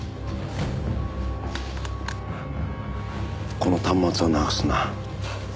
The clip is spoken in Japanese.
この端末はなくすな。